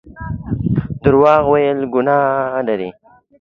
درواغ ويل ګناه لري